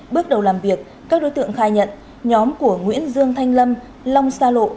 bước đầu làm việc các đối tượng khai nhận nhóm của nguyễn dương thanh lâm long sa lộ